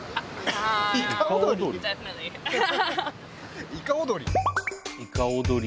いか踊り？